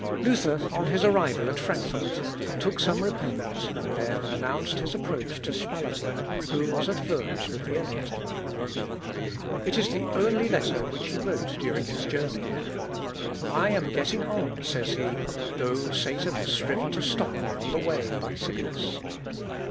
Luther, on his arrival at Frankfort, took some repose, and then announced his approach to Spalatin, who was at Worms with the Elector. It is the only letter which he wrote during his journey. "I am getting on," says he, "though Satan has striven to stop me on the way by sickness.